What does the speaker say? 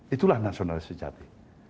itulah nasionalisme sejati